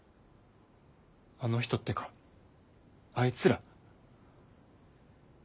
あの人ってかあいつら？